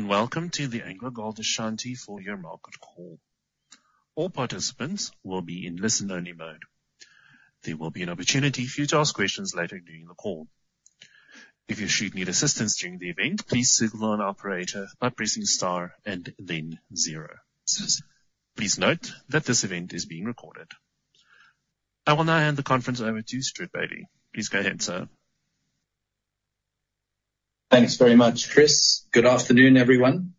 Welcome to the AngloGold Ashanti Full-Year market call. All participants will be in listen-only mode. There will be an opportunity for you to ask questions later during the call. If you should need assistance during the event, please signal an operator by pressing star and then 0. Please note that this event is being recorded. I will now hand the conference over to Stewart Bailey. Please go ahead, sir. Thanks very much, Chris. Good afternoon, everyone.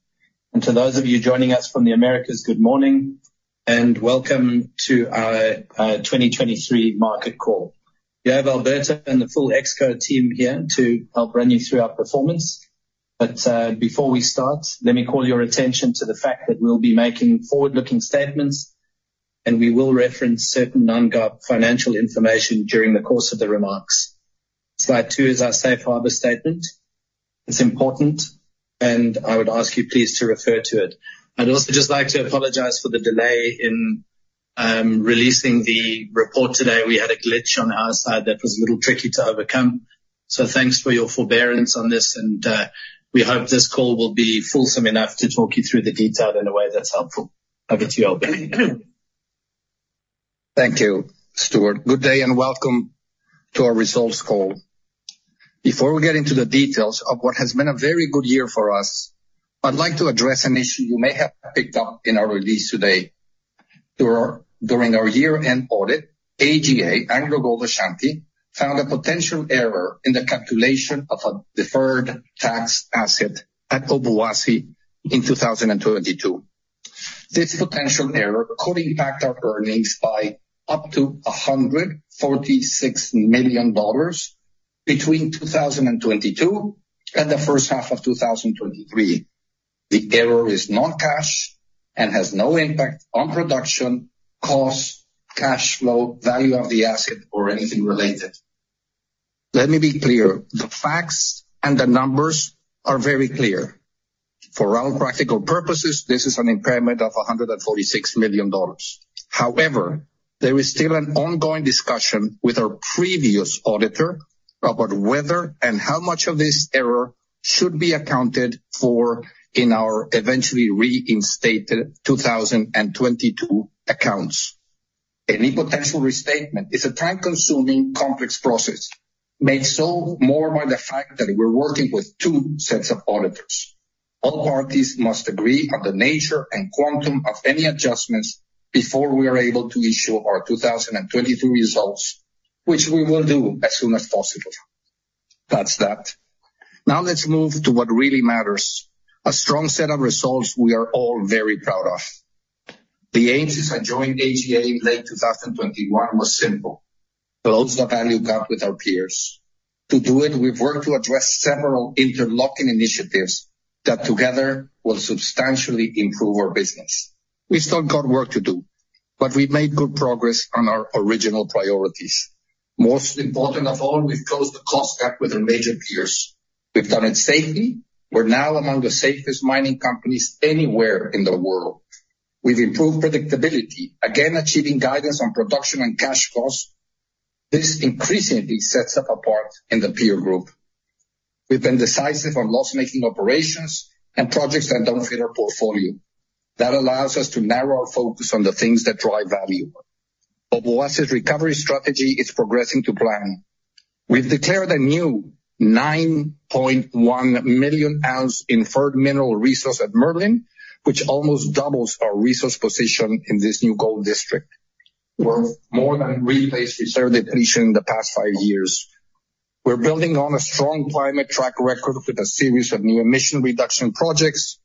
And to those of you joining us from the Americas, good morning and welcome to our 2023 market call. We have Alberto and the full Exco team here to help run you through our performance. But before we start, let me call your attention to the fact that we'll be making forward-looking statements, and we will reference certain non-GAAP financial information during the course of the remarks. Slide 2 is our Safe Harbor statement. It's important, and I would ask you please to refer to it. I'd also just like to apologize for the delay in releasing the report today. We had a glitch on our side that was a little tricky to overcome. So thanks for your forbearance on this, and we hope this call will be fulsome enough to talk you through the detail in a way that's helpful. Over to you, Alberto. Thank you, Stuart. Good day and welcome to our results call. Before we get into the details of what has been a very good year for us, I'd like to address an issue you may have picked up in our release today. During our year-end audit, AGA, AngloGold Ashanti, found a potential error in the calculation of a deferred tax asset at Obuasi in 2022. This potential error could impact our earnings by up to $146 million between 2022 and the first half of 2023. The error is non-cash and has no impact on production, cost, cash flow, value of the asset, or anything related. Let me be clear. The facts and the numbers are very clear. For our practical purposes, this is an impairment of $146 million. However, there is still an ongoing discussion with our previous auditor about whether and how much of this error should be accounted for in our eventually reinstated 2022 accounts. Any potential restatement is a time-consuming, complex process, made so much more by the fact that we're working with two sets of auditors. All parties must agree on the nature and quantum of any adjustments before we are able to issue our 2023 results, which we will do as soon as possible. That's that. Now let's move to what really matters: a strong set of results we are all very proud of. The aims of joining AGA in late 2021 were simple: to close the value gap with our peers. To do it, we've worked to address several interlocking initiatives that together will substantially improve our business. We still got work to do, but we made good progress on our original priorities. Most important of all, we've closed the cost gap with our major peers. We've done it safely. We're now among the safest mining companies anywhere in the world. We've improved predictability, again achieving guidance on production and cash costs. This increasingly sets us apart in the peer group. We've been decisive on loss-making operations and projects that don't fit our portfolio. That allows us to narrow our focus on the things that drive value. Obuasi's recovery strategy is progressing to plan. We've declared a new 9.1 million ounce Inferred Mineral Resource at Merlin, which almost doubles our resource position in this new gold district. We're more than replaced reserve depletion in the past five years. We're building on a strong climate track record with a series of new emission reduction projects.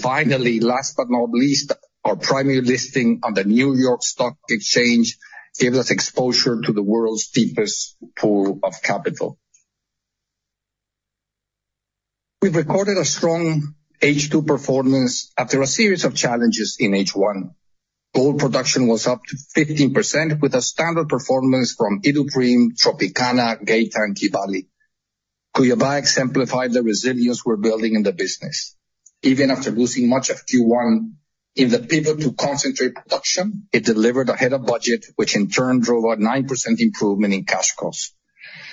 Finally, last but not least, our primary listing on the New York Stock Exchange gave us exposure to the world's deepest pool of capital. We've recorded a strong H2 performance after a series of challenges in H1. Gold production was up to 15% with a standard performance from Iduapriem, Tropicana, Geita, Kibali. Cuiabá exemplified the resilience we're building in the business. Even after losing much of Q1 in the pivot to concentrate production, it delivered ahead of budget, which in turn drove a 9% improvement in cash costs.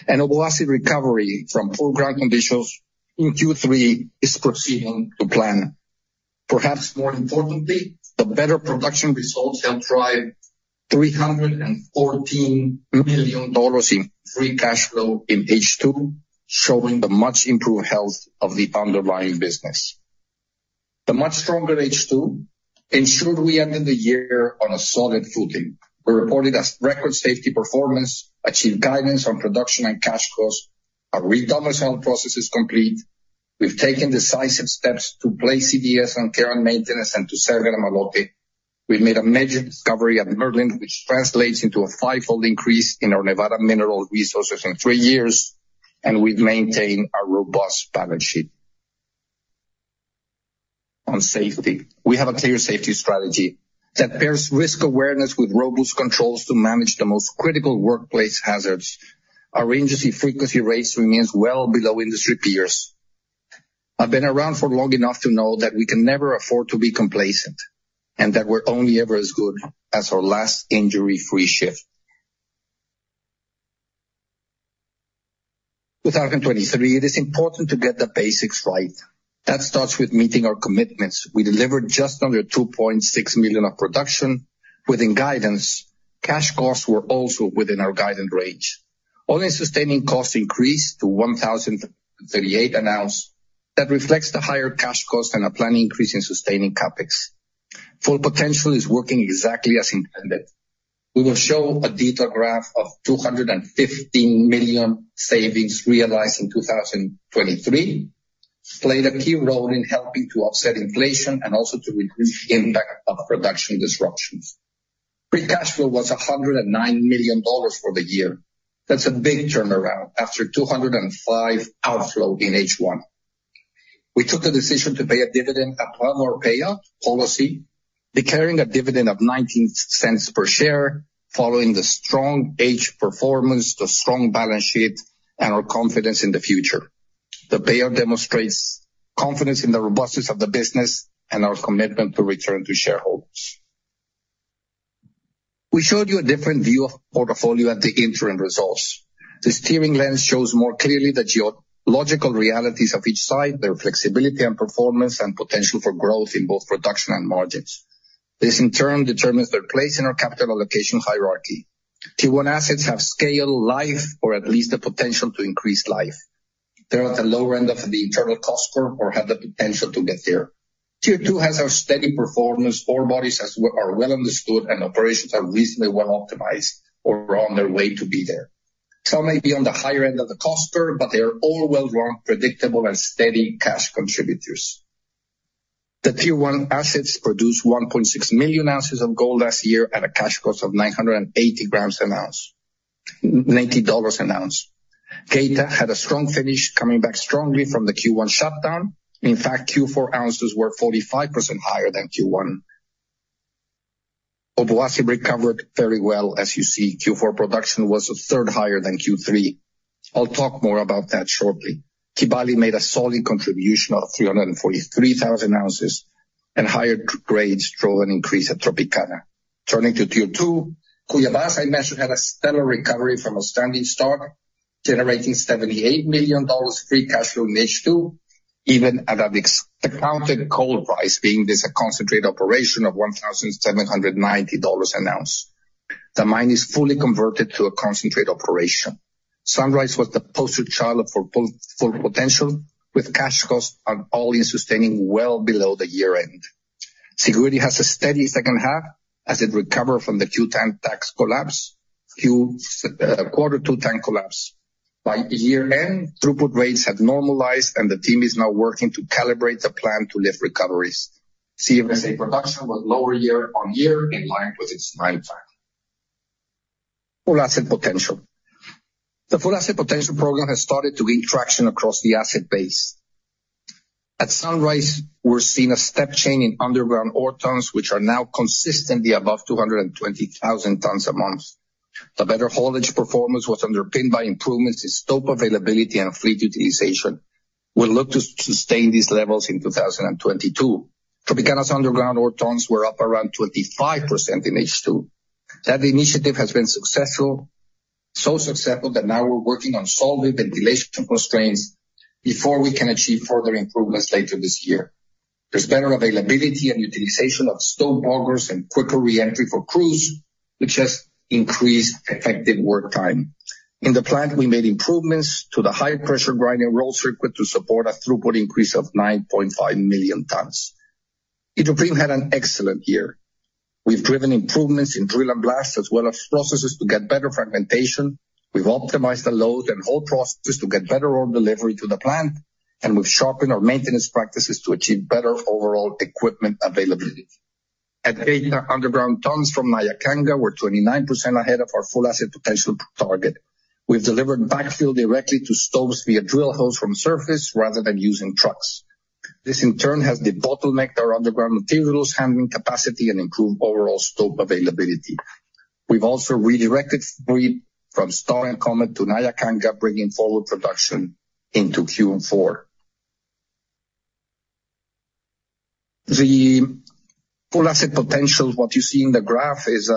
Obuasi's recovery from poor ground conditions in Q3 is proceeding to plan. Perhaps more importantly, the better production results helped drive $314 million in free cash flow in H2, showing the much-improved health of the underlying business. The much stronger H2 ensured we ended the year on a solid footing. We reported a record safety performance, achieved guidance on production and cash costs, our redomicile process is complete. We've taken decisive steps to place CDS on care and maintenance and to exit Gramalote. We've made a major discovery at Merlin, which translates into a five-fold increase in our Nevada mineral resources in three years, and we've maintained a robust balance sheet. On safety, we have a clear safety strategy that pairs risk awareness with robust controls to manage the most critical workplace hazards. Our emergency frequency rates remain well below industry peers. I've been around for long enough to know that we can never afford to be complacent and that we're only ever as good as our last injury-free shift. 2023, it is important to get the basics right. That starts with meeting our commitments. We delivered just under 2.6 million of production. Within guidance, cash costs were also within our guided range. All-in sustaining costs increased to $1,038 an ounce. That reflects the higher cash costs and a planning increase in sustaining capex. Full Asset Potential is working exactly as intended. We will show a detailed graph of $215 million savings realized in 2023, played a key role in helping to offset inflation and also to reduce the impact of production disruptions. Free cash flow was $109 million for the year. That's a big turnaround after $205 million outflow in H1. We took the decision to pay a dividend upon our payout policy, declaring a dividend of $0.19 per share following the strong H1 performance, the strong balance sheet, and our confidence in the future. The payout demonstrates confidence in the robustness of the business and our commitment to return to shareholders. We showed you a different view of the portfolio at the interim results. The steering lens shows more clearly the geological realities of each side, their flexibility and performance, and potential for growth in both production and margins. This, in turn, determines their place in our capital allocation hierarchy. Tier 1 assets have scale, life, or at least the potential to increase life. They're at the lower end of the internal cost score or have the potential to get there. Tier 2 has our steady performance. Core bodies are well understood, and operations are reasonably well optimized or on their way to be there. Some may be on the higher end of the cost score, but they are all well-run, predictable, and steady cash contributors. The Tier 1 assets produced 1.6 million ounces of gold last year at a cash cost of $980 an ounce. Geita had a strong finish, coming back strongly from the Q1 shutdown. In fact, Q4 ounces were 45% higher than Q1. Obuasi recovered very well. As you see, Q4 production was a third higher than Q3. I'll talk more about that shortly. Kibali made a solid contribution of 343,000 ounces, and higher grades drove an increase at Tropicana. Turning to Tier 2, Cuiabá, I mentioned, had a stellar recovery from a standing stock, generating $78 million free cash flow in H2, even at the accounted gold price, being this a concentrate operation of $1,790 an ounce. The mine is fully converted to a concentrate operation. Sunrise Dam was the poster child of Full Asset Potential, with cash costs on all-in sustaining well below the year-end. Serra Grande had a steady second half as it recovered from the Q1 CIL tank collapse, quarter Q1 collapse. By year-end, throughput rates had normalized, and the team is now working to calibrate the plan to lift recoveries. CVSA production was lower year on year in line with its mine plan. Full Asset Potential. The Full Asset Potential program has started to gain traction across the asset base. At Sunrise, we're seeing a step change in underground ore tons, which are now consistently above 220,000 tons a month. The better haulage performance was underpinned by improvements in stope availability and fleet utilization. We'll look to sustain these levels in 2022. Tropicana's underground ore tons were up around 25% in H2. That initiative has been successful, so successful that now we're working on solving ventilation constraints before we can achieve further improvements later this year. There's better availability and utilization of stope boggers and quicker reentry for crews, which has increased effective work time. In the plant, we made improvements to the high-pressure grinding roll circuit to support a throughput increase of 9.5 million tons. Iduapriem had an excellent year. We've driven improvements in drill and blast as well as processes to get better fragmentation. We've optimized the load and haul processes to get better ore delivery to the plant, and we've sharpened our maintenance practices to achieve better overall equipment availability. At Geita, underground tons from Nyankanga were 29% ahead of our Full Asset Potential target. We've delivered backfill directly to stopes via drill holes from surface rather than using trucks. This, in turn, has debottlenecked our underground materials handling capacity and improved overall stope availability. We've also redirected fleet from Star and Comet to Nyankanga, bringing forward production into Q4. The Full Asset Potential, what you see in the graph, is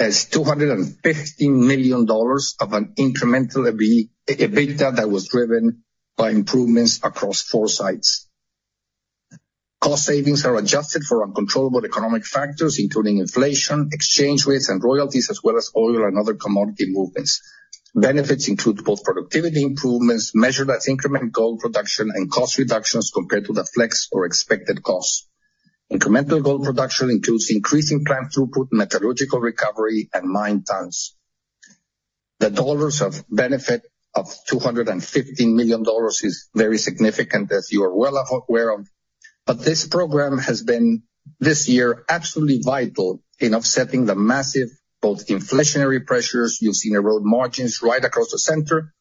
$215 million of an incremental EBITDA that was driven by improvements across 4 sites. Cost savings are adjusted for uncontrollable economic factors, including inflation, exchange rates, and royalties, as well as oil and other commodity movements. Benefits include both productivity improvements, measured as incremental gold production, and cost reductions compared to the flex or expected costs. Incremental gold production includes increasing plant throughput, metallurgical recovery, and mine tons. The dollars of benefit of $215 million is very significant, as you are well aware of, but this program has been this year absolutely vital in offsetting the massive both inflationary pressures you've seen erode margins right across the sector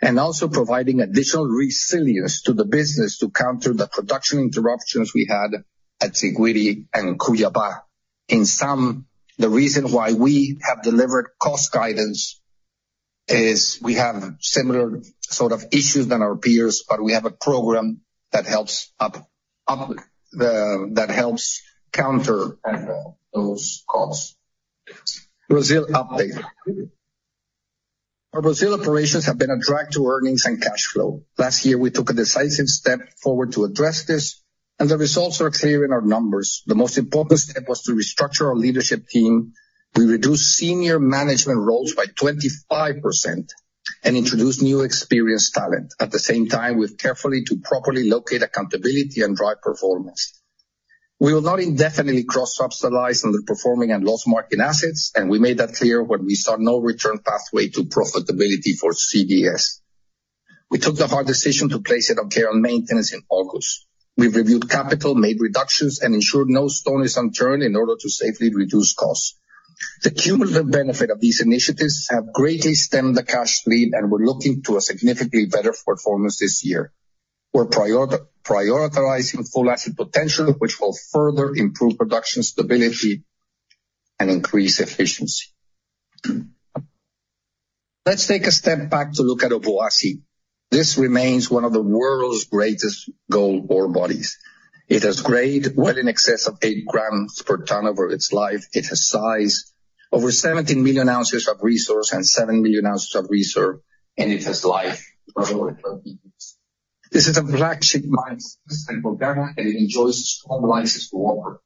and also providing additional resilience to the business to counter the production interruptions we had at Siguiri and Cuiabá. In sum, the reason why we have delivered cost guidance is we have similar sort of issues as our peers, but we have a program that helps counter those costs. Brazil update. Our Brazil operations have been a drag on earnings and cash flow. Last year, we took a decisive step forward to address this, and the results are clear in our numbers. The most important step was to restructure our leadership team. We reduced senior management roles by 25% and introduced new experienced talent. At the same time, we've acted carefully to properly allocate accountability and drive performance. We will not indefinitely cross-subsidize underperforming and loss-making assets, and we made that clear when we saw no viable pathway to profitability for CdS. We took the hard decision to place it on care and maintenance in August. We reviewed capital, made reductions, and ensured no stone is unturned in order to safely reduce costs. The cumulative benefit of these initiatives have greatly stemmed the cash stream, and we're looking to a significantly better performance this year. We're prioritizing Full Asset Potential, which will further improve production stability and increase efficiency. Let's take a step back to look at Obuasi. This remains one of the world's greatest gold ore bodies. It has graded well in excess of eight grams per ton over its life. It has sized, over 17 million ounces of resource and 7 million ounces of reserve, and it has life for over 20 years. This is a flagship mine system for Ghana, and it enjoys strong license to operate.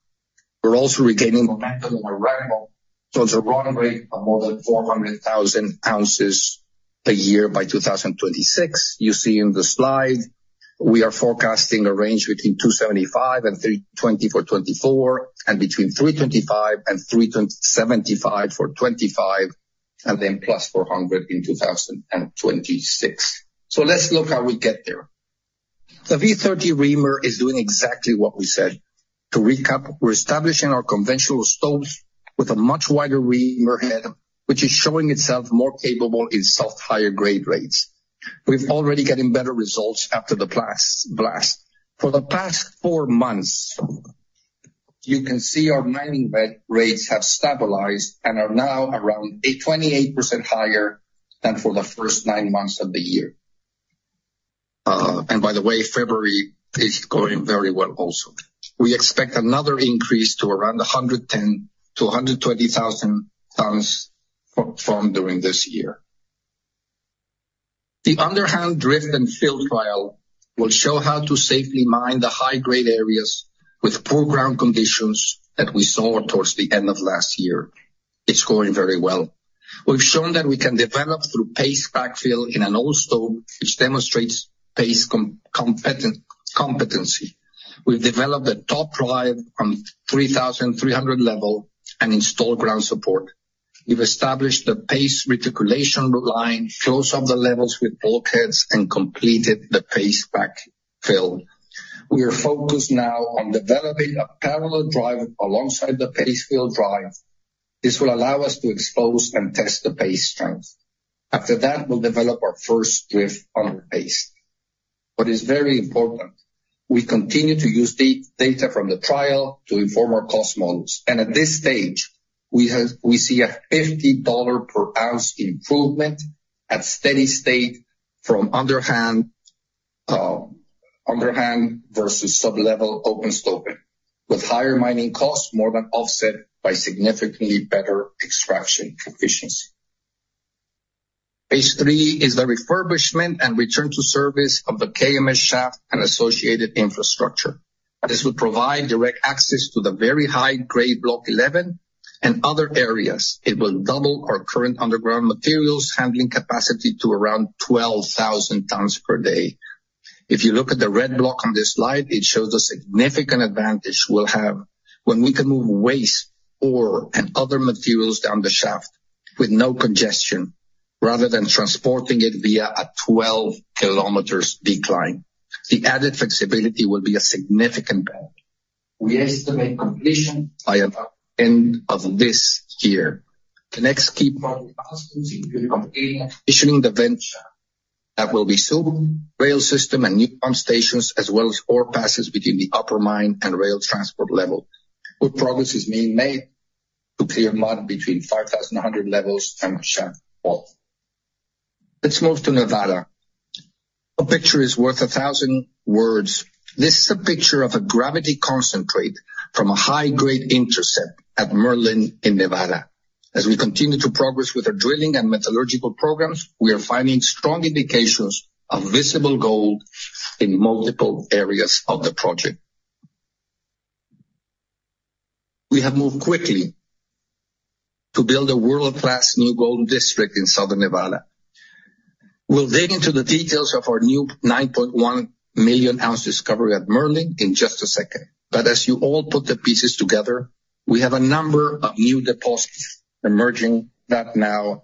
We're also regaining momentum in our ramp-up towards a run rate of more than 400,000 ounces a year by 2026. You see in the slide, we are forecasting a range between 275 and 20 for 2024 and between 325 and 375 for 2025 and then +400 in 2026. So let's look how we get there. The V30 reamer is doing exactly what we said. To recap, we're establishing our conventional stopes with a much wider reamer head, which is showing itself more capable in soft higher grade rates. We've already getting better results after the blast. For the past four months, you can see our mining rates have stabilized and are now around 28% higher than for the first nine months of the year. And by the way, February is going very well also. We expect another increase to around 110-120 thousand tons from during this year. The Underhand Drift-and-Fill trial will show how to safely mine the high-grade areas with poor ground conditions that we saw towards the end of last year. It's going very well. We've shown that we can develop through paste backfill in an old stope, which demonstrates paste competency. We've developed a top drive from 3,300 level and installed ground support. We've established the paste reticulation line across the levels with bulkheads and completed the paste backfill. We are focused now on developing a parallel drive alongside the paste fill drive. This will allow us to expose and test the paste strength. After that, we'll develop our first drift under paste. What is very important, we continue to use data from the trial to inform our cost models. At this stage, we see a $50 per ounce improvement at steady state from underhand versus sublevel open stoping with higher mining costs more than offset by significantly better extraction efficiency. Phase three is the refurbishment and return to service of the KMS Shaft and associated infrastructure. This will provide direct access to the very high grade Block 11 and other areas. It will double our current underground materials handling capacity to around 12,000 tons per day. If you look at the red block on this slide, it shows the significant advantage we'll have when we can move waste, ore, and other materials down the shaft with no congestion rather than transporting it via a 12-kilometer decline. The added flexibility will be a significant benefit. We estimate completion by end of this year. The next key project aspects include completing and commissioning the vent shaft that will be soon, rail system and new pump stations as well as ore passes between the upper mine and rail transport level. Good progress is being made to clear mud between 5,100 levels and shaft 12. Let's move to Nevada. A picture is worth a thousand words. This is a picture of a gravity concentrate from a high-grade intercept at Merlin in Nevada. As we continue to progress with our drilling and metallurgical programs, we are finding strong indications of visible gold in multiple areas of the project. We have moved quickly to build a world-class new gold district in Southern Nevada. We'll dig into the details of our new 9.1 million ounce discovery at Merlin in just a second. But as you all put the pieces together, we have a number of new deposits emerging that now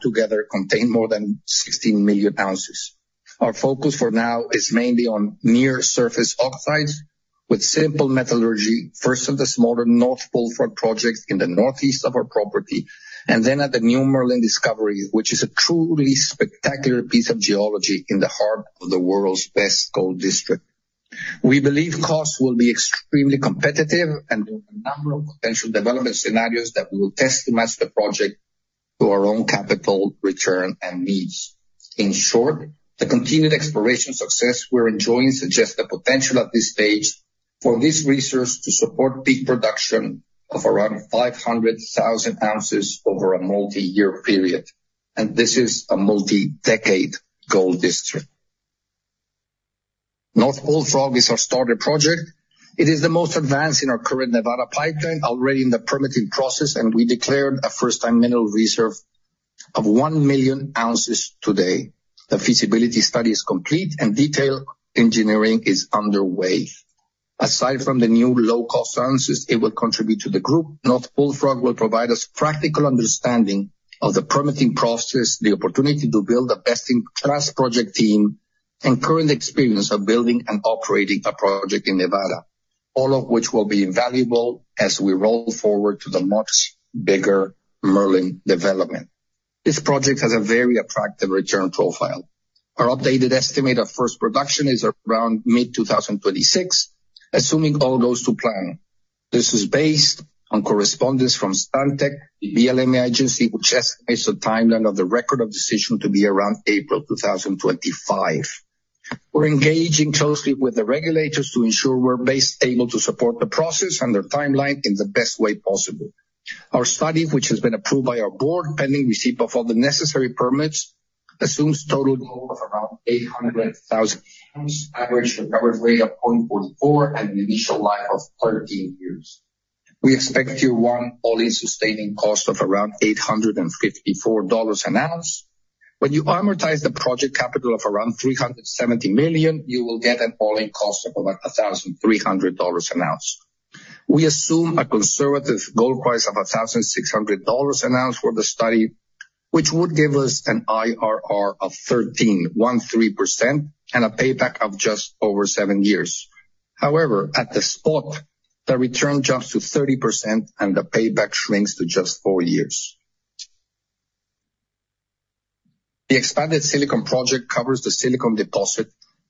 together contain more than 16 million ounces. Our focus for now is mainly on near-surface oxides with simple metallurgy, first of the smaller North Bullfrog projects in the northeast of our property, and then at the new Merlin discovery, which is a truly spectacular piece of geology in the heart of the world's best gold district. We believe costs will be extremely competitive, and there are a number of potential development scenarios that we will test to match the project to our own capital return and needs. In short, the continued exploration success we're enjoying suggests the potential at this stage for this resource to support peak production of around 500,000 ounces over a multi-year period. This is a multi-decade gold district. North Bullfrog is our starter project. It is the most advanced in our current Nevada pipeline, already in the permitting process, and we declared a first-time mineral reserve of 1 million ounces today. The feasibility study is complete, and detailed engineering is underway. Aside from the new low-cost ounces, it will contribute to the group. North Bullfrog will provide us practical understanding of the permitting process, the opportunity to build the best-in-class project team, and current experience of building and operating a project in Nevada, all of which will be invaluable as we roll forward to the much bigger Merlin development. This project has a very attractive return profile. Our updated estimate of first production is around mid-2026, assuming all goes to plan. This is based on correspondence from Stantec, the BLM agency, which estimates the timeline of the record of decision to be around April 2025. We're engaging closely with the regulators to ensure we're able to support the process and their timeline in the best way possible. Our study, which has been approved by our board pending receipt of all the necessary permits, assumes total gold of around 800,000 pounds, average recovered rate of 0.44, and an initial life of 13 years. We expect year one all-in sustaining cost of around $854 an ounce. When you amortize the project capital of around $370 million, you will get an all-in cost of about $1,300 an ounce. We assume a conservative gold price of $1,600 an ounce for the study, which would give us an IRR of 13, 13%, and a payback of just over seven years. However, at the spot, the return jumps to 30%, and the payback shrinks to just four years. The Expanded Silicon project covers the Silicon deposit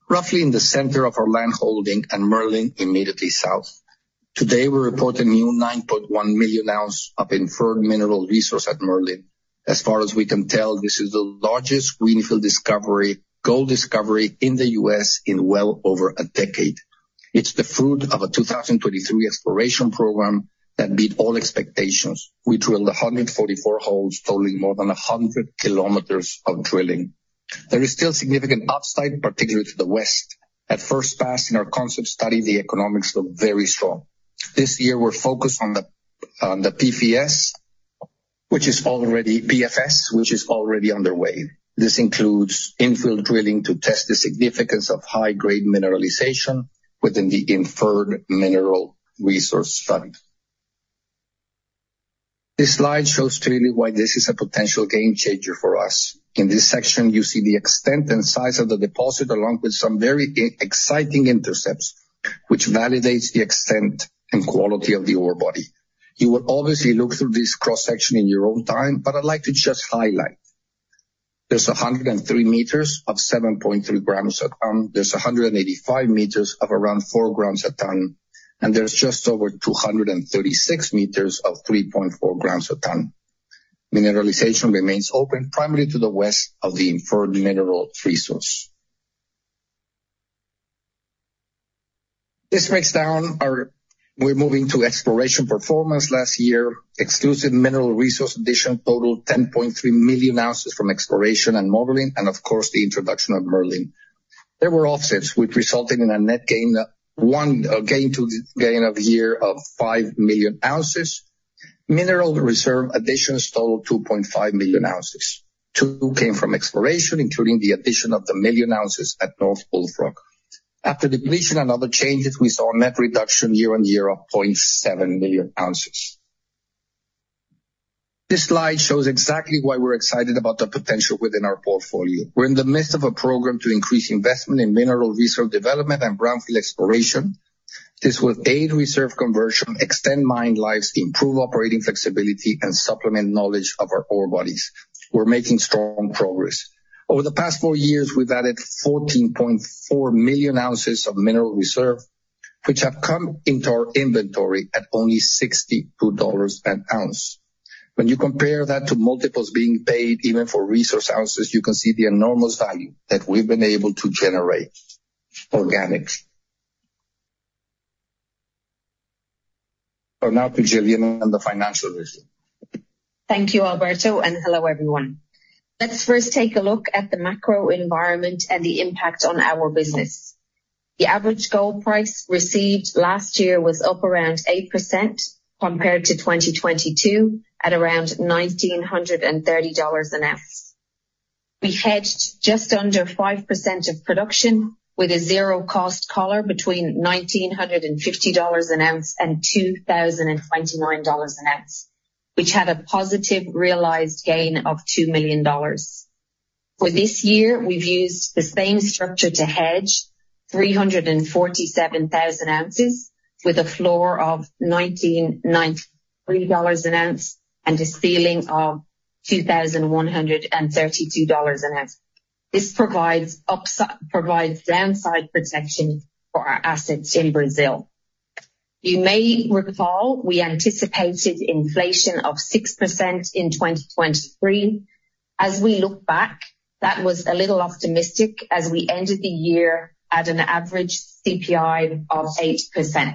roughly in the center of our land holding and Merlin immediately south. Today, we report a new 9.1 million ounces of Inferred Mineral Resource at Merlin. As far as we can tell, this is the largest greenfield gold discovery in the U.S. in well over a decade. It's the fruit of a 2023 exploration program that beat all expectations. We drilled 144 holes, totaling more than 100 km of drilling. There is still significant upside, particularly to the west. At first pass in our concept study, the economics look very strong. This year, we're focused on the PFS, which is already underway. This includes infield drilling to test the significance of high-grade mineralization within the Inferred Mineral Resource study. This slide shows clearly why this is a potential game-changer for us. In this section, you see the extent and size of the deposit along with some very exciting intercepts, which validates the extent and quality of the ore body. You will obviously look through this cross-section in your own time, but I'd like to just highlight. There's 103 meters of 7.3 grams a ton. There's 185 meters of around 4 grams a ton, and there's just over 236 meters of 3.4 grams a ton. Mineralization remains open primarily to the west of the Inferred Mineral Resource. This breaks down our exploration performance last year. Exploration Mineral Resource addition totaled 10.3 million ounces from exploration and modeling, and of course, the introduction of Merlin. There were offsets, which resulted in a net gain year-on-year of 5 million ounces. Mineral reserve additions totaled 2.5 million ounces. Two came from exploration, including the addition of the million ounces at North Bullfrog. After depletion and other changes, we saw net reduction year-over-year of 0.7 million ounces. This slide shows exactly why we're excited about the potential within our portfolio. We're in the midst of a program to increase investment in mineral resource development and brownfield exploration. This will aid reserve conversion, extend mine lives, improve operating flexibility, and supplement knowledge of our ore bodies. We're making strong progress. Over the past 4 years, we've added 14.4 million ounces of mineral reserve, which have come into our inventory at only $62 an ounce. When you compare that to multiples being paid even for resource ounces, you can see the enormous value that we've been able to generate organically. But now to Gillian and the financial review. Thank you, Alberto, and hello, everyone. Let's first take a look at the macro environment and the impact on our business. The average gold price received last year was up around 8% compared to 2022 at around $1,930 an ounce. We hedged just under 5% of production with a zero-cost collar between $1,950-$2,029 an ounce, which had a positive realized gain of $2 million. For this year, we've used the same structure to hedge 347,000 ounces with a floor of $1,993 an ounce and a ceiling of $2,132 an ounce. This provides downside protection for our assets in Brazil. You may recall we anticipated inflation of 6% in 2023. As we look back, that was a little optimistic as we ended the year at an average CPI of 8%.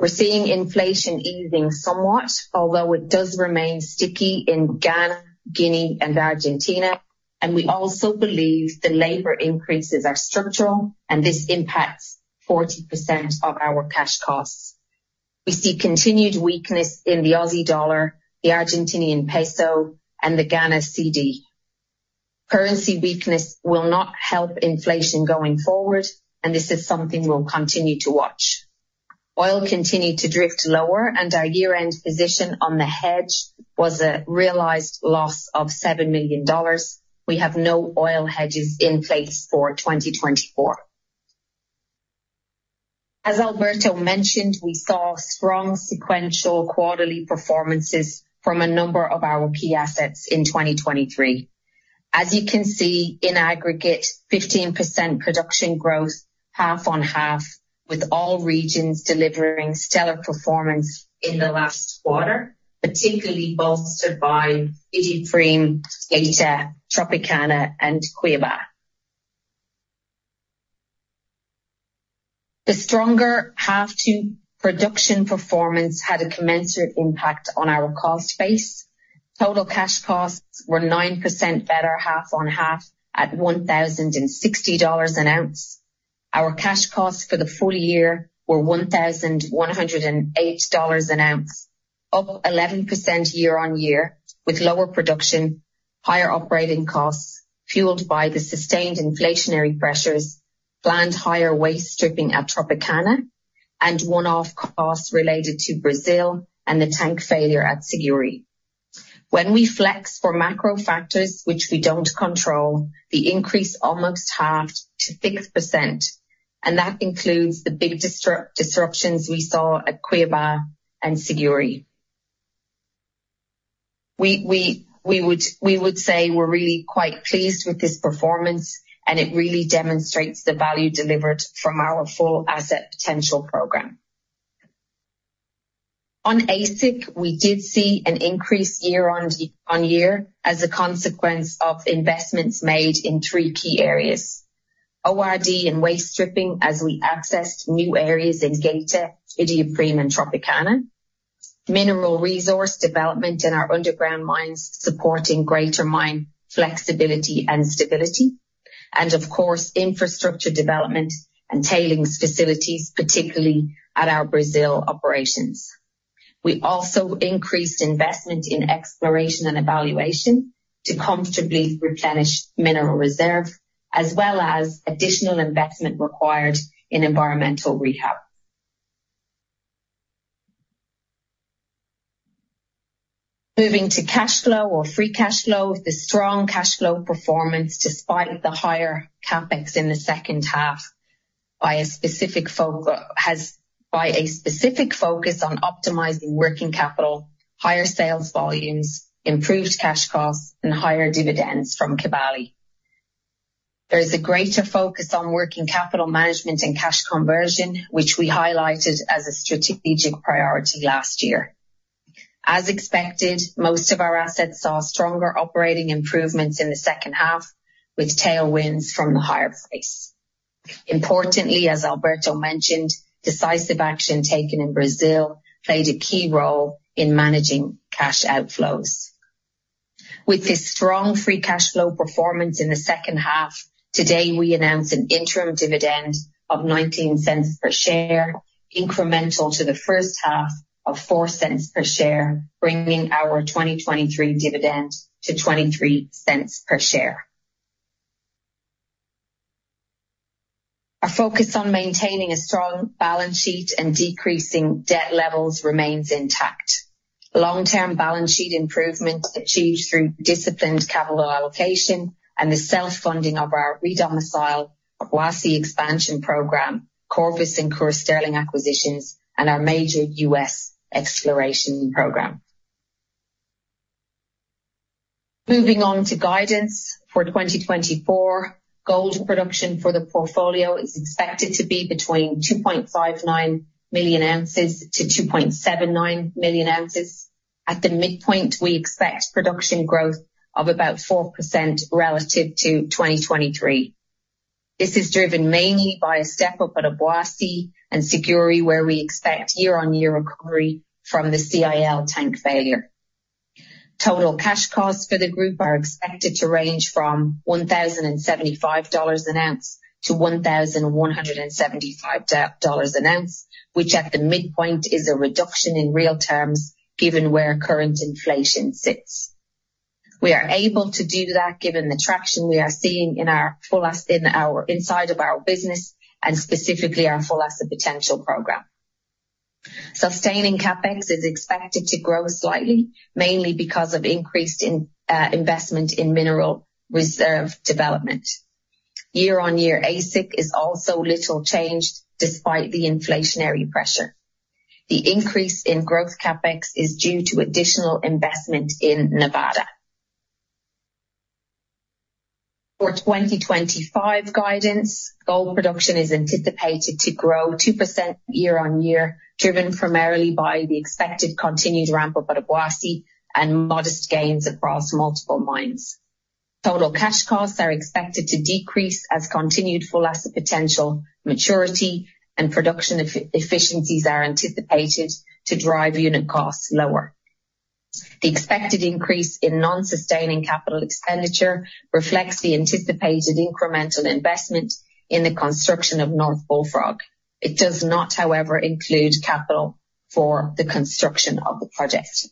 We're seeing inflation easing somewhat, although it does remain sticky in Ghana, Guinea, and Argentina, and we also believe the labor increases are structural, and this impacts 40% of our cash costs. We see continued weakness in the Aussie dollar, the Argentine peso, and the Ghana cedi. Currency weakness will not help inflation going forward, and this is something we'll continue to watch. Oil continued to drift lower, and our year-end position on the hedge was a realized loss of $7 million. We have no oil hedges in place for 2024. As Alberto mentioned, we saw strong sequential quarterly performances from a number of our key assets in 2023. As you can see, in aggregate, 15% production growth half-on-half with all regions delivering stellar performance in the last quarter, particularly bolstered by Iduapriem, Geita, Tropicana, and Cuiabá. The stronger half-to-production performance had a commensurate impact on our cost base. Total cash costs were 9% better half-on-half at $1,060 an ounce. Our cash costs for the full year were $1,108 an ounce, up 11% year-on-year with lower production, higher operating costs fueled by the sustained inflationary pressures, planned higher waste stripping at Tropicana, and one-off costs related to Brazil and the tank failure at Siguiri. When we flex for macro factors, which we don't control, the increase almost halved to 6%, and that includes the big disruptions we saw at Cuiabá and Siguiri. We would say we're really quite pleased with this performance, and it really demonstrates the value delivered from our Full Asset Potential program. On AISC, we did see an increase year-on-year as a consequence of investments made in three key areas: ORD and waste stripping as we accessed new areas in Geita, Iduapriem, and Tropicana; mineral resource development in our underground mines supporting greater mine flexibility and stability; and of course, infrastructure development and tailings facilities, particularly at our Brazil operations. We also increased investment in exploration and evaluation to comfortably replenish mineral reserve, as well as additional investment required in environmental rehab. Moving to cash flow or free cash flow, the strong cash flow performance despite the higher capex in the second half by a specific focus on optimizing working capital, higher sales volumes, improved cash costs, and higher dividends from Kibali. There is a greater focus on working capital management and cash conversion, which we highlighted as a strategic priority last year. As expected, most of our assets saw stronger operating improvements in the second half with tailwinds from the higher price. Importantly, as Alberto mentioned, decisive action taken in Brazil played a key role in managing cash outflows. With this strong free cash flow performance in the second half, today we announced an interim dividend of $0.0019 per share, incremental to the first half of $0.0004 per share, bringing our 2023 dividend to $0.0023 per share. Our focus on maintaining a strong balance sheet and decreasing debt levels remains intact. Long-term balance sheet improvement achieved through disciplined capital allocation and the self-funding of our redomicile Obuasi expansion program, Corvus and Coeur Sterling acquisitions, and our major U.S. exploration program. Moving on to guidance for 2024, gold production for the portfolio is expected to be between 2.59-2.79 million ounces. At the midpoint, we expect production growth of about 4% relative to 2023. This is driven mainly by a step-up at Obuasi and Siguiri, where we expect year-on-year recovery from the CIL tank failure. Total cash costs for the group are expected to range from $1,075-$1,175 an ounce, which at the midpoint is a reduction in real terms given where current inflation sits. We are able to do that given the traction we are seeing in our full asset potential inside of our business and specifically our full asset potential program. Sustaining CapEx is expected to grow slightly, mainly because of increased investment in mineral reserve development. Year-on-year, AISC is also little changed despite the inflationary pressure. The increase in growth CapEx is due to additional investment in Nevada. For 2025 guidance, gold production is anticipated to grow 2% year-on-year, driven primarily by the expected continued ramp-up at Obuasi and modest gains across multiple mines. Total cash costs are expected to decrease as continued Full Asset Potential maturity and production efficiencies are anticipated to drive unit costs lower. The expected increase in non-sustaining capital expenditure reflects the anticipated incremental investment in the construction of North Bullfrog. It does not, however, include capital for the construction of the project.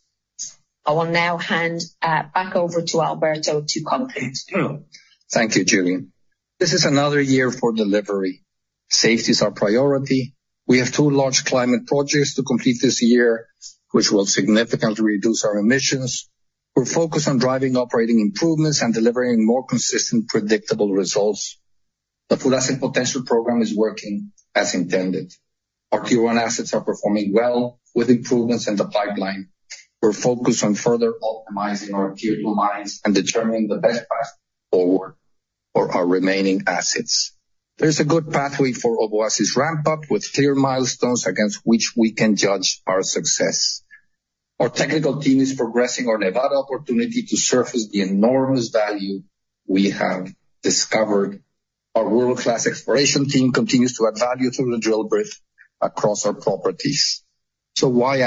I will now hand back over to Alberto to conclude. Hello. Thank you, Gillian. This is another year for delivery. Safety is our priority. We have two large climate projects to complete this year, which will significantly reduce our emissions. We're focused on driving operating improvements and delivering more consistent, predictable results. The Full Asset Potential program is working as intended. Our Tier 1 assets are performing well with improvements in the pipeline. We're focused on further optimizing our Tier 2 mines and determining the best path forward for our remaining assets. There's a good pathway for Obuasi's ramp-up with clear milestones against which we can judge our success. Our technical team is progressing our Nevada opportunity to surface the enormous value we have discovered. Our world-class exploration team continues to add value through the drill bit across our properties. So why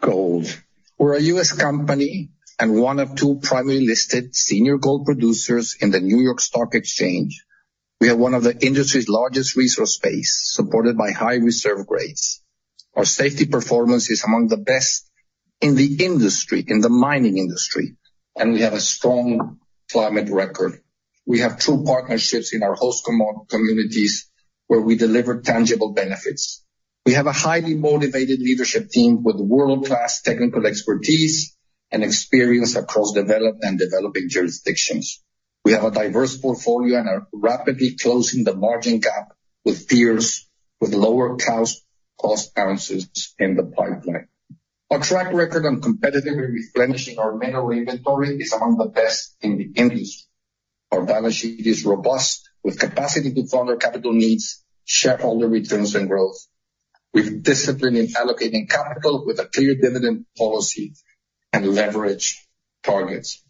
AngloGold? We're a U.S. company and one of two primary listed senior gold producers in the New York Stock Exchange. We have one of the industry's largest resource spaces supported by high reserve grades. Our safety performance is among the best in the industry, in the mining industry, and we have a strong climate record. We have true partnerships in our host communities where we deliver tangible benefits. We have a highly motivated leadership team with world-class technical expertise and experience across developed and developing jurisdictions. We have a diverse portfolio and are rapidly closing the margin gap with peers with lower cost ounces in the pipeline. Our track record on competitively replenishing our mineral inventory is among the best in the industry. Our balance sheet is robust with capacity to fund our capital needs, shareholder returns, and growth. We've disciplined in allocating capital with a clear dividend policy and leverage targets.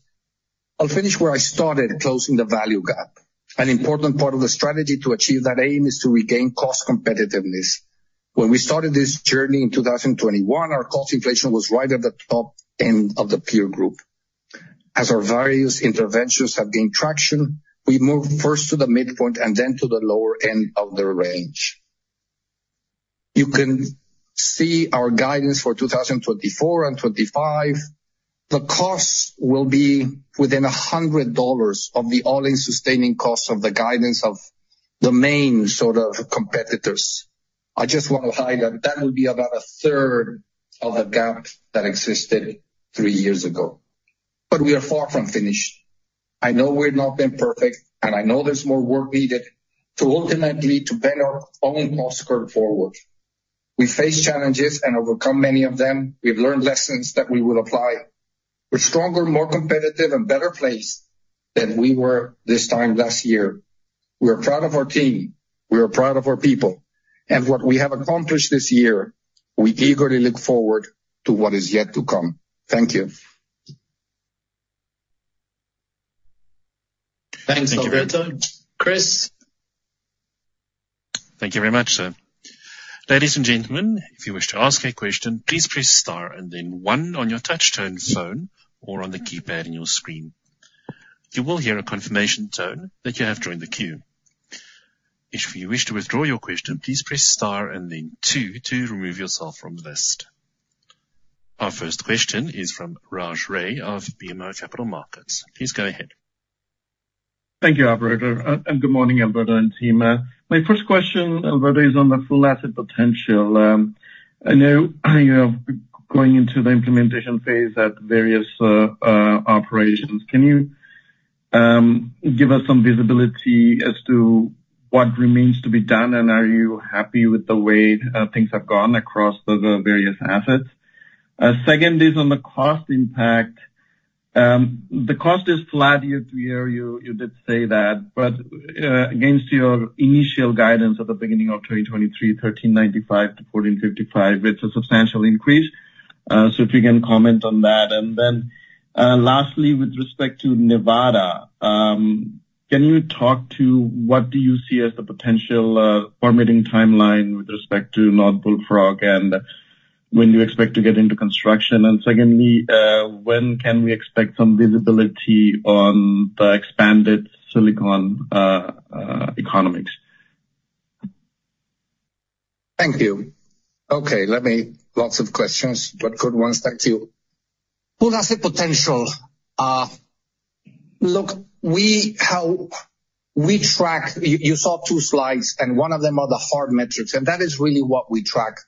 I'll finish where I started, closing the value gap. An important part of the strategy to achieve that aim is to regain cost competitiveness. When we started this journey in 2021, our cost inflation was right at the top end of the peer group. As our various interventions have gained traction, we move first to the midpoint and then to the lower end of the range. You can see our guidance for 2024 and 2025. The costs will be within $100 of the All-in Sustaining Costs of the guidance of the main sort of competitors. I just want to highlight that that would be about a third of the gap that existed three years ago. But we are far from finished. I know we've not been perfect, and I know there's more work needed to ultimately bend our own cost curve forward. We face challenges and overcome many of them. We've learned lessons that we will apply. We're stronger, more competitive, and better placed than we were this time last year. We are proud of our team. We are proud of our people. And what we have accomplished this year, we eagerly look forward to what is yet to come. Thank you. Thank you. Thank you, Alberto. Chris. Thank you very much. Ladies and gentlemen, if you wish to ask a question, please press star and then one on your touchscreen phone or on the keypad in your screen. You will hear a confirmation tone that you have joined the queue. If you wish to withdraw your question, please press star and then two to remove yourself from the list. Our first question is from Raj Ray of BMO Capital Markets. Please go ahead. Thank you, Alberto. Good morning, Alberto and team. My first question, Alberto, is on the Full Asset Potential. I know you are going into the implementation phase at various operations. Can you give us some visibility as to what remains to be done, and are you happy with the way things have gone across the various assets? Second is on the cost impact. The cost is flat year-over-year. You did say that. But against your initial guidance at the beginning of 2023, 1,395-1,455, it's a substantial increase. So if you can comment on that. And then lastly, with respect to Nevada, can you talk to what do you see as the potential permitting timeline with respect to North Bullfrog and when you expect to get into construction? And secondly, when can we expect some visibility on the expanded Silicon economics? Thank you. Okay. Lots of questions, but good ones. Thank you. Full Asset Potential. Look, how we track you saw two slides, and one of them are the hard metrics. And that is really what we track.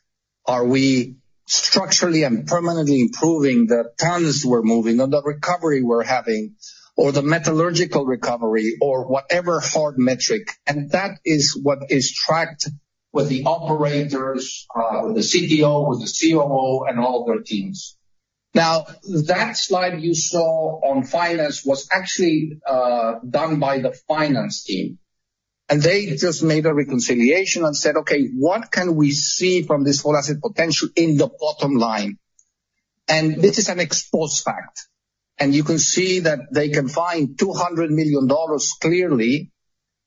Are we structurally and permanently improving the tons we're moving and the recovery we're having or the metallurgical recovery or whatever hard metric? And that is what is tracked with the operators, with the CTO, with the COO, and all their teams. Now, that slide you saw on finance was actually done by the finance team. And they just made a reconciliation and said, "Okay, what can we see from this Full Asset Potential in the bottom line?" And this is an exposed fact. And you can see that they can find $200 million clearly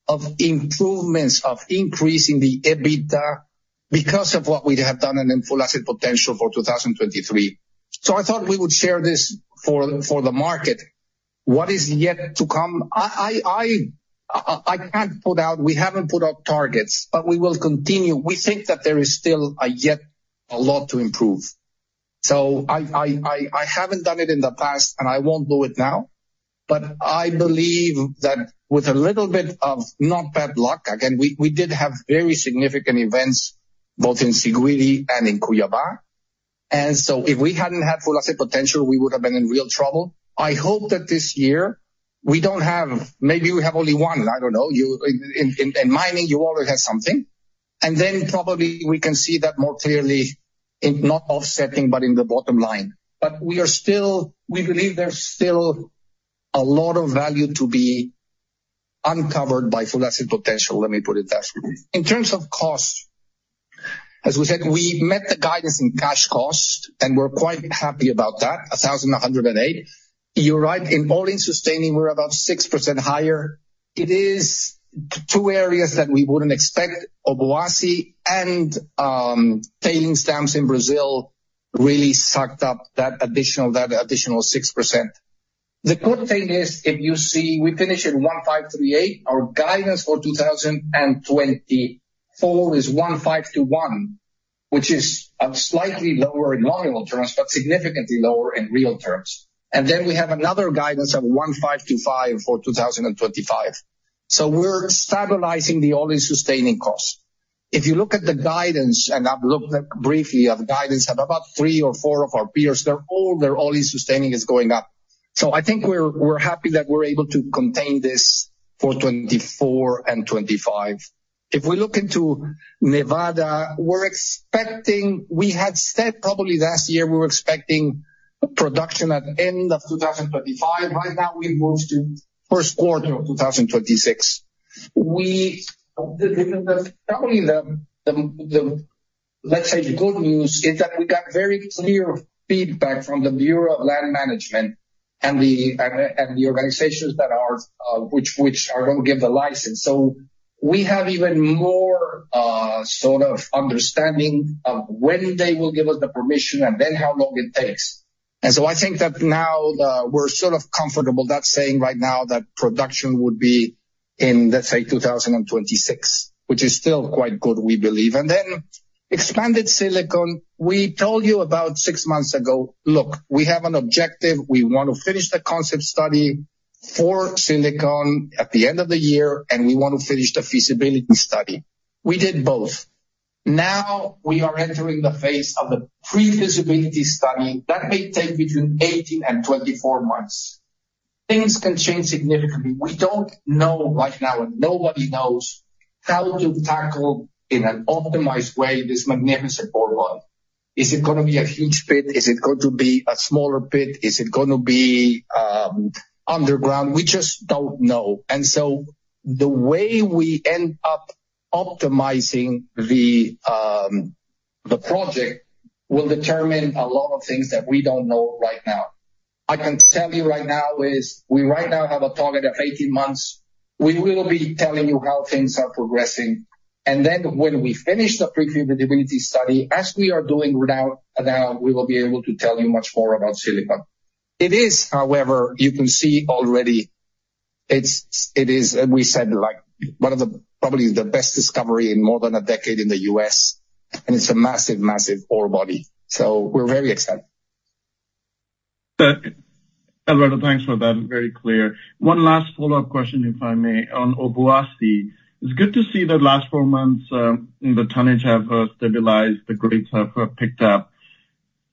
of improvements of increasing the EBITDA because of what we have done and in Full Asset Potential for 2023. So I thought we would share this for the market. What is yet to come? I can't put out, we haven't put out targets, but we will continue. We think that there is still yet a lot to improve. So I haven't done it in the past, and I won't do it now. But I believe that with a little bit of not bad luck again, we did have very significant events both in Siguiri and in Cuiabá. So if we hadn't had Full Asset Potential, we would have been in real trouble. I hope that this year we don't have. Maybe we have only one. I don't know. In mining, you always have something. And then probably we can see that more clearly, not offsetting but in the bottom line. But we believe there's still a lot of value to be uncovered by Full Asset Potential. Let me put it that way. In terms of cost, as we said, we met the guidance in cash cost, and we're quite happy about that, $1,108. You're right. In all-in sustaining, we're about 6% higher. It is two areas that we wouldn't expect. Obuasi and tailings dams in Brazil really sucked up that additional 6%. The quick thing is, if you see we finish at $1,538. Our guidance for 2024 is $1,521, which is slightly lower in long-term terms but significantly lower in real terms. Then we have another guidance of $1,525 for 2025. So we're stabilizing the All-in Sustaining Cost. If you look at the guidance and I've looked briefly at the guidance of about three or four of our peers, all their All-in Sustaining is going up. So I think we're happy that we're able to contain this for 2024 and 2025. If we look into Nevada, we're expecting we had said probably last year, we were expecting production at end of 2025. Right now, we've moved to first quarter of 2026. Probably the, let's say, good news is that we got very clear feedback from the Bureau of Land Management and the organizations that are going to give the license. So we have even more sort of understanding of when they will give us the permission and then how long it takes. And so I think that now we're sort of comfortable not saying right now that production would be in, let's say, 2026, which is still quite good, we believe. And then Expanded Silicon, we told you about six months ago, "Look, we have an objective. We want to finish the concept study for Silicon at the end of the year, and we want to finish the feasibility study." We did both. Now we are entering the phase of the pre-feasibility study that may take between 18 and 24 months. Things can change significantly. We don't know right now, and nobody knows, how to tackle in an optimized way this magnificent Merlin. Is it going to be a huge pit? Is it going to be a smaller pit? Is it going to be underground? We just don't know. So the way we end up optimizing the project will determine a lot of things that we don't know right now. I can tell you right now is we right now have a target of 18 months. We will be telling you how things are progressing. And then when we finish the pre-feasibility study, as we are doing now, we will be able to tell you much more about Silicon. It is, however, you can see already, it is, as we said, probably the best discovery in more than a decade in the US. And it's a massive, massive ore body. So we're very excited. Alberto, thanks for that. Very clear. One last follow-up question, if I may, on Obuasi. It's good to see that last four months, the tonnage have stabilized, the grades have picked up.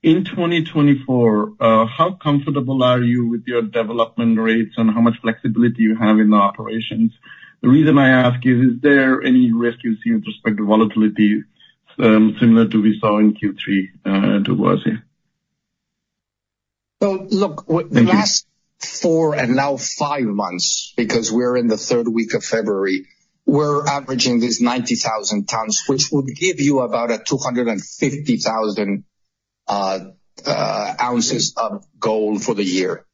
In 2024, how comfortable are you with your development rates and how much flexibility you have in the operations? The reason I ask is, is there any risk you see with respect to volatility similar to we saw in Q3 at Obuasi? So look, the last four and now five months, because we're in the third week of February, we're averaging these 90,000 tons, which would give you about 250,000 ounces of gold for the year.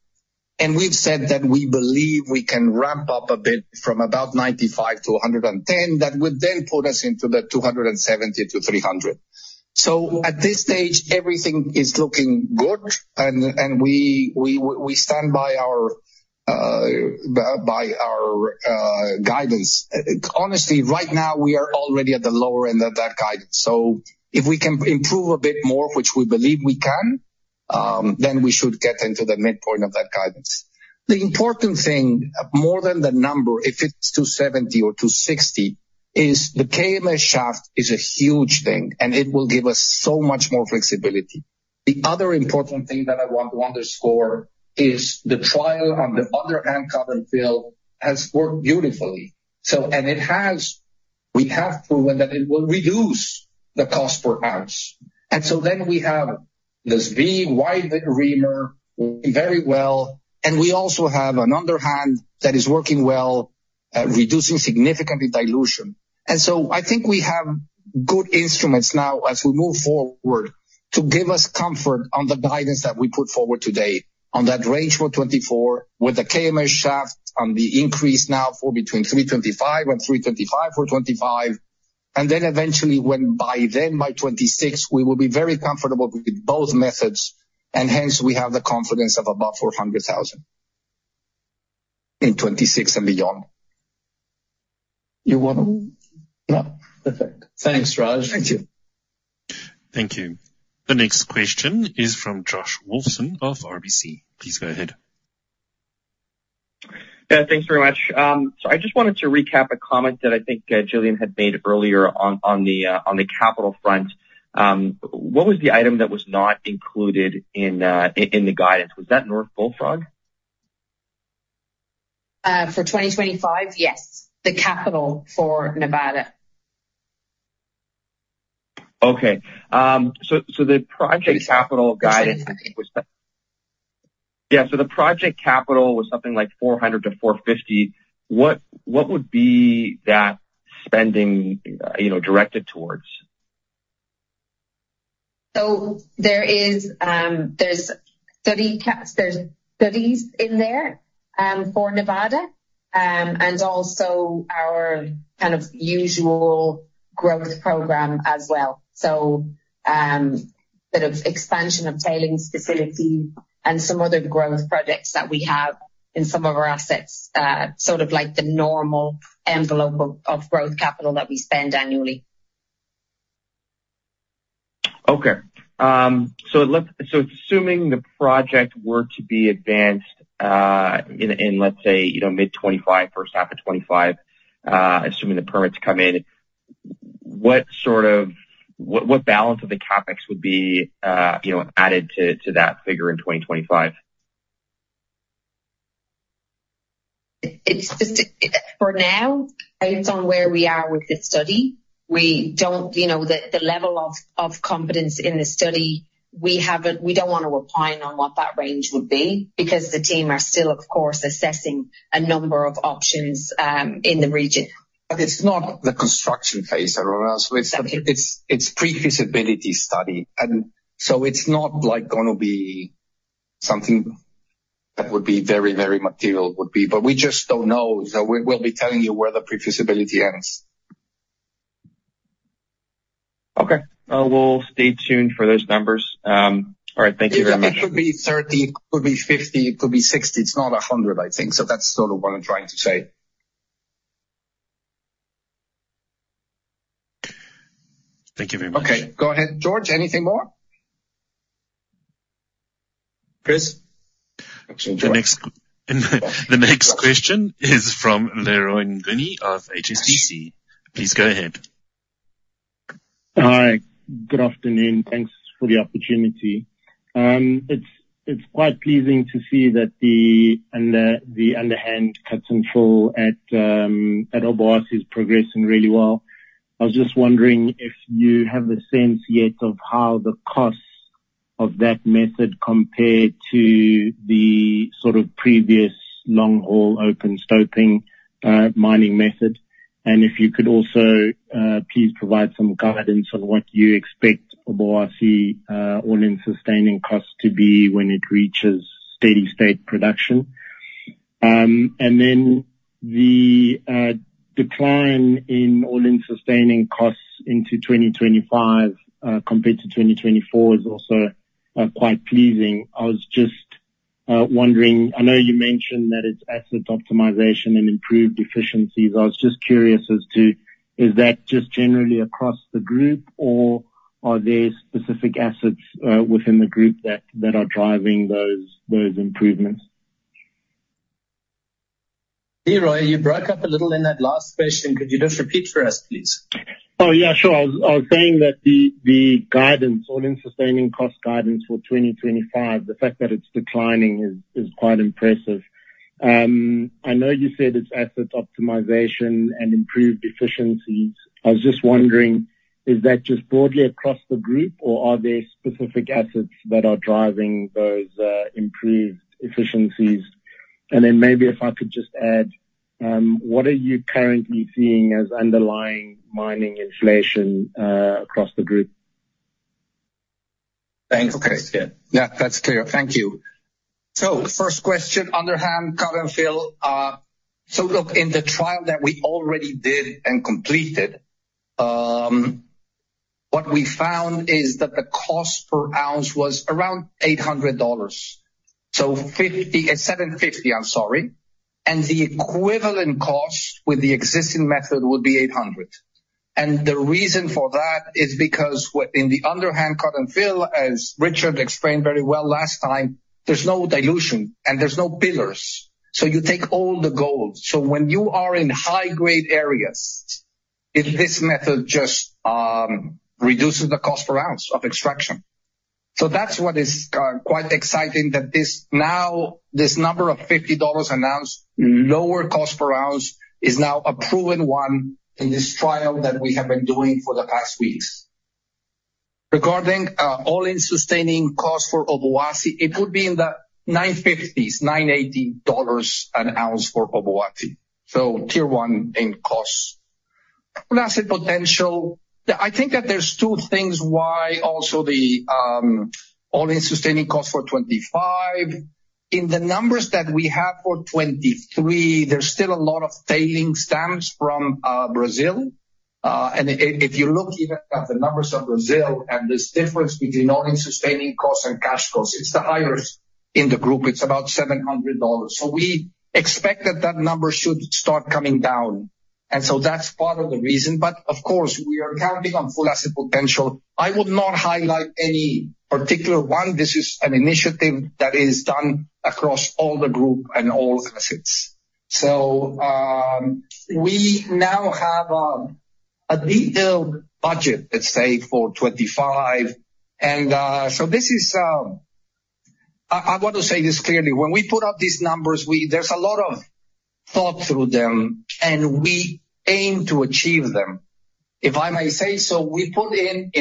And we've said that we believe we can ramp up a bit from about 95-110, that would then put us into the 270-300. So at this stage, everything is looking good, and we stand by our guidance. Honestly, right now, we are already at the lower end of that guidance. So if we can improve a bit more, which we believe we can, then we should get into the midpoint of that guidance. The important thing, more than the number, if it's 270 or 260, is the KMS Shaft is a huge thing, and it will give us so much more flexibility. The other important thing that I want to underscore is the trial on the underhand drift-and-fill has worked beautifully. We have proven that it will reduce the cost per ounce. So then we have this big wide reamer very well. We also have an underhand drift-and-fill that is working well, reducing significantly dilution. And so I think we have good instruments now as we move forward to give us comfort on the guidance that we put forward today on that range for 2024 with the KMS shaft on the increase now between 325-325 for 2025. And then eventually, by then, by 2026, we will be very comfortable with both methods. And hence, we have the confidence of above 400,000 in 2026 and beyond. You want to? No. Perfect. Thanks, Raj. Thank you. Thank you. The next question is from Josh Wolfson of RBC. Please go ahead. Yeah. Thanks very much. So I just wanted to recap a comment that I think Gillian had made earlier on the capital front. What was the item that was not included in the guidance? Was that North Bullfrog? For 2025, yes, the capital for Nevada. Okay. So the project capital guidance was yeah. So the project capital was something like $400-$450. What would be that spending directed towards? So there's studies in there for Nevada and also our kind of usual growth program as well, so sort of expansion of tailings facilities and some other growth projects that we have in some of our assets, sort of like the normal envelope of growth capital that we spend annually. Okay. So assuming the project were to be advanced in, let's say, mid-2025, first half of 2025, assuming the permits come in, what sort of what balance of the CapEx would be added to that figure in 2025? For now, based on where we are with the study, we don't the level of confidence in the study, we don't want to opine on what that range would be because the team are still, of course, assessing a number of options in the region. But it's not the construction phase, everyone else. It's pre-feasibility study. And so it's not going to be something that would be very, very material would be, but we just don't know. So we'll be telling you where the pre-feasibility ends. Okay. We'll stay tuned for those numbers. All right. Thank you very much. It could be 30. It could be 50. It could be 60. It's not 100, I think. So that's sort of what I'm trying to say. Thank you very much. Okay. Go ahead, George. Anything more? Chris? The next question is from Leroy Mnguni of HSBC. Please go ahead. All right. Good afternoon. Thanks for the opportunity. It's quite pleasing to see that the underhand drift-and-fill at Obuasi is progressing really well. I was just wondering if you have a sense yet of how the costs of that method compare to the sort of previous long-haul open stoping mining method, and if you could also please provide some guidance on what you expect Obuasi all-in sustaining costs to be when it reaches steady-state production. And then the decline in all-in sustaining costs into 2025 compared to 2024 is also quite pleasing. I was just wondering. I know you mentioned that it's asset optimization and improved efficiencies. I was just curious as to, is that just generally across the group, or are there specific assets within the group that are driving those improvements? Gillian, you broke up a little in that last question. Could you just repeat for us, please? Oh, yeah. Sure. I was saying that the guidance, all-in sustaining cost guidance for 2025, the fact that it's declining is quite impressive. I know you said it's asset optimization and improved efficiencies. I was just wondering, is that just broadly across the group, or are there specific assets that are driving those improved efficiencies? And then maybe if I could just add, what are you currently seeing as underlying mining inflation across the group? Thanks. Okay. Yeah. That's clear. Thank you. So first question, underhand drift-and-fill. So look, in the trial that we already did and completed, what we found is that the cost per ounce was around $800, so 750, I'm sorry. And the equivalent cost with the existing method would be 800. And the reason for that is because in the underhand drift-and-fill, as Richard explained very well last time, there's no dilution, and there's no pillars. So you take all the gold. So when you are in high-grade areas, this method just reduces the cost per ounce of extraction. So that's what is quite exciting, that now this number of $50 an ounce, lower cost per ounce, is now a proven one in this trial that we have been doing for the past weeks. Regarding all-in sustaining cost for Obuasi, it would be in the 950s, $980 an ounce for Obuasi, so Tier 1 in cost. Asset potential, I think that there's two things why also the all-in sustaining cost for 2025. In the numbers that we have for 2023, there's still a lot of tailings dams from Brazil. And if you look even at the numbers of Brazil and this difference between all-in sustaining cost and cash cost, it's the highest in the group. It's about $700. So we expect that that number should start coming down. And so that's part of the reason. But of course, we are counting on Full Asset Potential. I would not highlight any particular one. This is an initiative that is done across all the group and all assets. So we now have a detailed budget, let's say, for 2025. And so this is I want to say this clearly. When we put up these numbers, there's a lot of thought through them, and we aim to achieve them, if I may say so. We put in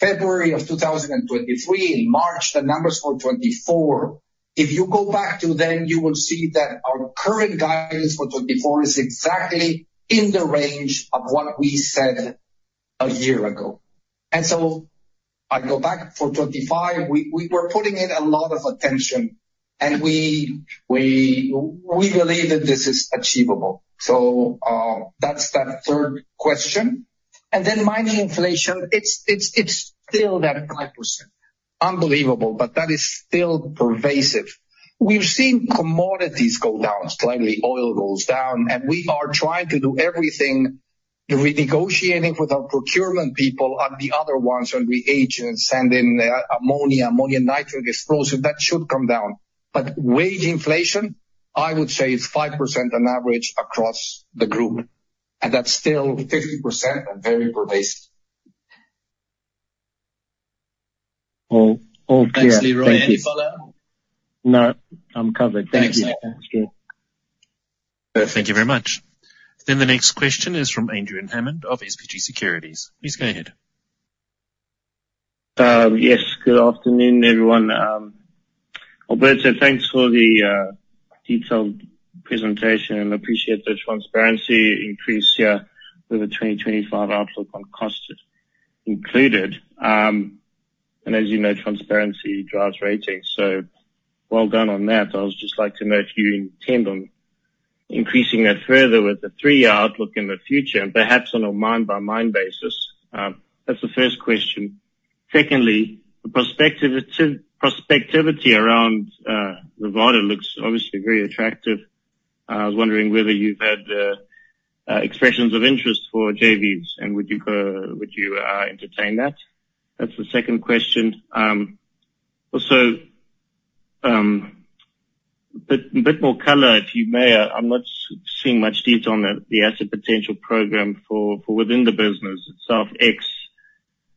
February of 2023, in March, the numbers for 2024. If you go back to them, you will see that our current guidance for 2024 is exactly in the range of what we said a year ago. And so I go back for 2025, we were putting in a lot of attention, and we believe that this is achievable. So that's that third question. Then mining inflation, it's still that 5%. Unbelievable, but that is still pervasive. We've seen commodities go down slightly. Oil goes down. And we are trying to do everything, renegotiating with our procurement people on the other ones on reagents, sending ammonia, ammonium nitrate explosive. That should come down. But wage inflation, I would say it's 5% on average across the group. And that's still 50% and very pervasive. Thank you. Thank you. Thank you. No, I'm covered. Thank you. Thanks, Michael. Thank you very much. Then the next question is from Adrian Hammond of SBG Securities. Please go ahead. Yes. Good afternoon, everyone. Alberto, thanks for the detailed presentation. And I appreciate the transparency increase here with the 2025 outlook on costs included. And as you know, transparency drives ratings. So well done on that. I'd just like to note you intend on increasing that further with the three-year outlook in the future and perhaps on a mine-by-mine basis. That's the first question. Secondly, the prospectivity around Nevada looks obviously very attractive. I was wondering whether you've had expressions of interest for JVs, and would you entertain that? That's the second question. Also, a bit more color, if you may. I'm not seeing much detail on the asset potential program within the business itself. Ex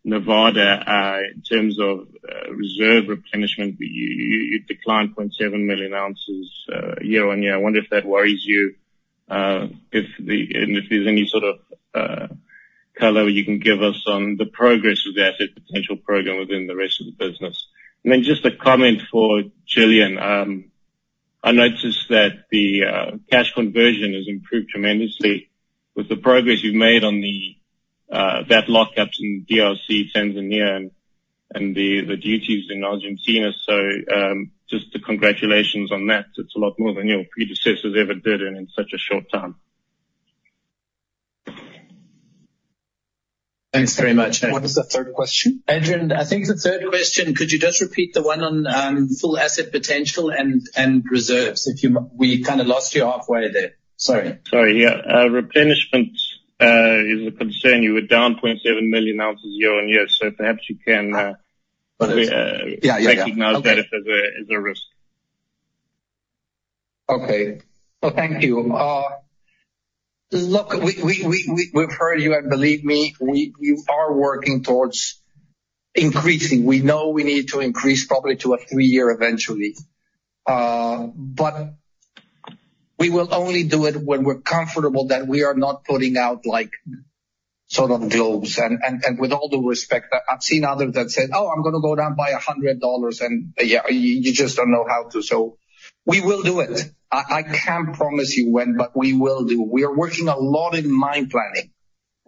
Nevada, in terms of reserve replenishment, you declined 0.7 million ounces year-on-year. I wonder if that worries you and if there's any sort of color you can give us on the progress of the asset potential program within the rest of the business. And then just a comment for Gillian. I noticed that the cash conversion has improved tremendously with the progress you've made on that lockups in DRC, Tanzania, and the duties in Argentina. So just the congratulations on that. It's a lot more than your predecessors ever did in such a short time. Thanks very much. What was the third question? Adrian, I think the third question, could you just repeat the one on Full Asset Potential and reserves? We kind of lost you halfway there. Sorry. Sorry. Yeah. Replenishment is a concern. You were down 0.7 million ounces year-on-year. So perhaps you can recognize that as a risk. Okay. Well, thank you. Look, we've heard you, and believe me, we are working towards increasing. We know we need to increase probably to a three-year eventually. But we will only do it when we're comfortable that we are not putting out sort of globes. And with all due respect, I've seen others that said, "Oh, I'm going to go down by $100," and yeah, you just don't know how to. So we will do it. I can't promise you when, but we will do. We are working a lot in mine planning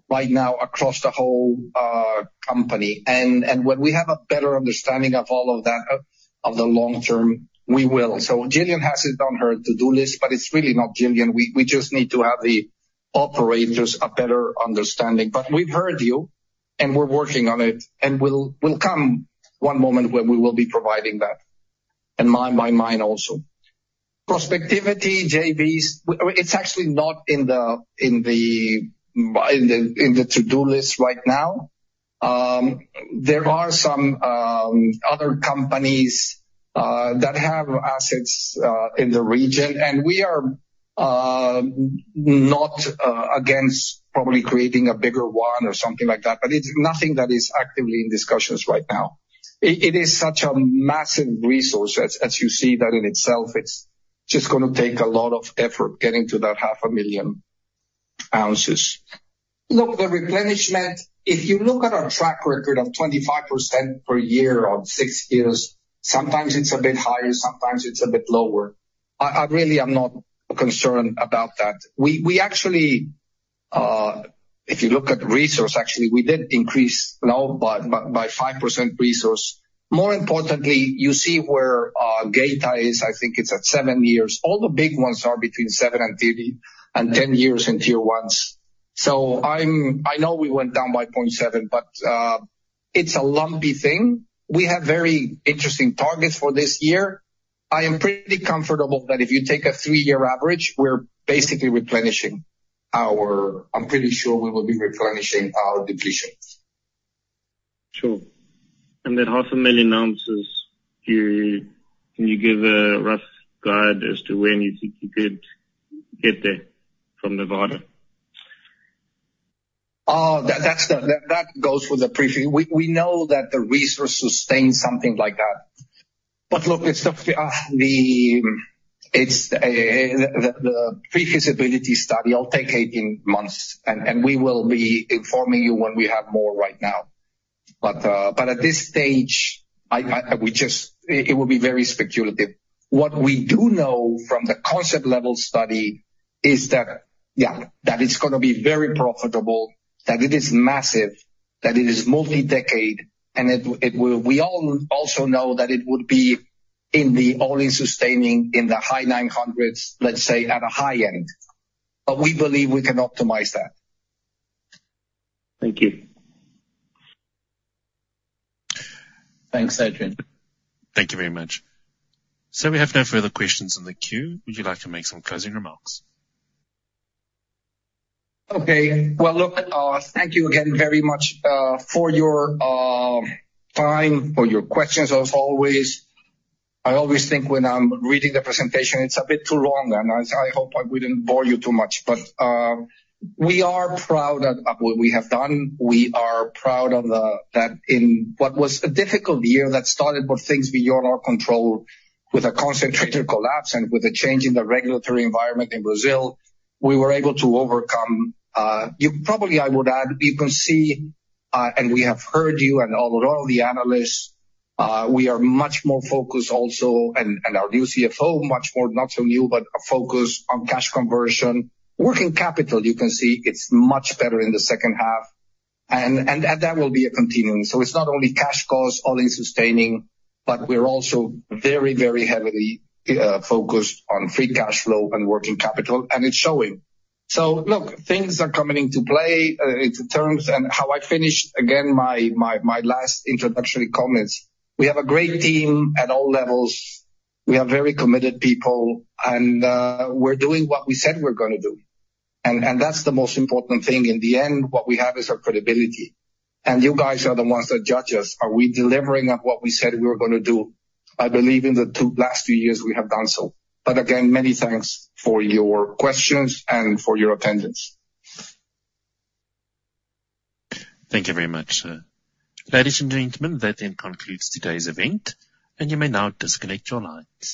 right now across the whole company. And when we have a better understanding of all of that, of the long term, we will. So Gillian has it on her to-do list, but it's really not Gillian. We just need to have the operators a better understanding. But we've heard you, and we're working on it. And we'll come one moment when we will be providing that and mine-by-mine also. Prospectivity, JVs, it's actually not in the to-do list right now. There are some other companies that have assets in the region, and we are not against probably creating a bigger one or something like that, but it's nothing that is actively in discussions right now. It is such a massive resource. As you see that in itself, it's just going to take a lot of effort getting to that 500,000 ounces. Look, the replenishment, if you look at our track record of 25% per year on six years, sometimes it's a bit higher. Sometimes it's a bit lower. I really am not concerned about that. If you look at resource, actually, we did increase by 5% resource. More importantly, you see where Geita is. I think it's at 7 years. All the big ones are between 7 and 10 years in Tier 1s. So I know we went down by 0.7, but it's a lumpy thing. We have very interesting targets for this year. I am pretty comfortable that if you take a three-year average, we're basically replenishing our depletion. I'm pretty sure we will be replenishing our depletion. Sure. That half a million ounces, can you give a rough guide as to when you think you could get there from Nevada? That goes for the briefing. We know that the resource sustains something like that. But look, the pre-feasibility study, I'll take 18 months, and we will be informing you when we have more right now. But at this stage, it will be very speculative. What we do know from the concept-level study is that, yeah, that it's going to be very profitable, that it is massive, that it is multi-decade, and we all also know that it would be in the all-in sustaining costs in the high $900s, let's say, at a high end. But we believe we can optimize that. Thank you. Thanks, Adrian. Thank you very much. So we have no further questions in the queue. Would you like to make some closing remarks? Okay. Well, look, thank you again very much for your time, for your questions, as always. I always think when I'm reading the presentation, it's a bit too long, and I hope I wouldn't bore you too much. But we are proud of what we have done. We are proud of that in what was a difficult year that started with things beyond our control. With a concentrator collapse and with a change in the regulatory environment in Brazil, we were able to overcome probably, I would add, you can see and we have heard you and all of the analysts, we are much more focused also and our new CFO, much more not so new, but a focus on cash conversion. Working capital, you can see it's much better in the second half. And that will be a continuum. So it's not only cash cost, all-in sustaining, but we're also very, very heavily focused on free cash flow and working capital, and it's showing. So look, things are coming into play in terms and how I finished, again, my last introductory comments. We have a great team at all levels. We have very committed people, and we're doing what we said we're going to do. And that's the most important thing. In the end, what we have is our credibility. You guys are the ones that judge us. Are we delivering up what we said we were going to do? I believe in the last two years, we have done so. Again, many thanks for your questions and for your attendance. Thank you very much. Ladies and gentlemen, that then concludes today's event. You may now disconnect your lines.